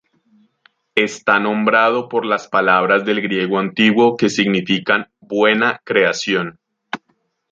Está nombrado por las palabras del griego antiguo que significan "buena creación".